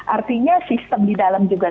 artinya sistem di dalam juga